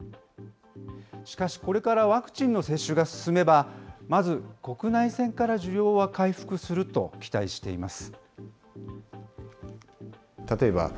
しかし、これからワクチンの接種が進めば、まず国内線から需要は回復すると期待しています。